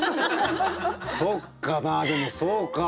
そっかまあでもそうか。